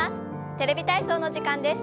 「テレビ体操」の時間です。